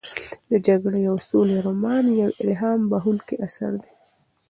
د جګړې او سولې رومان یو الهام بښونکی اثر دی.